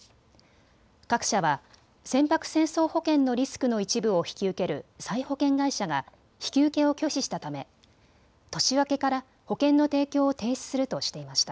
各社は船舶戦争保険のリスクの一部を引き受ける再保険会社が引き受けを拒否したため年明けから保険の提供を停止するとしていました。